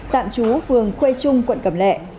tạm trú phường quê trung quận cầm lệ